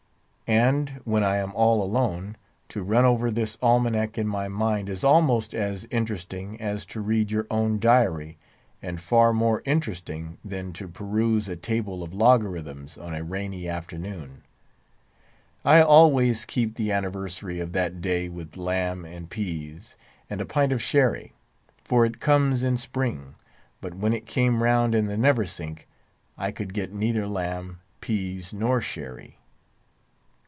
And, when I am all alone, to run over this almanac in my mind is almost as entertaining as to read your own diary, and far more interesting than to peruse a table of logarithms on a rainy afternoon. I always keep the anniversary of that day with lamb and peas, and a pint of sherry, for it comes in Spring. But when it came round in the Neversink, I could get neither lamb, peas, nor sherry.